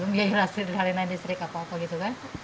belum biayalah sederhana di serik apa apa gitu kan